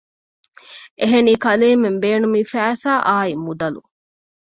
އެހެނީ ކަލޭމެން ބޭނުމީ ފައިސާ އާއި މުދަލު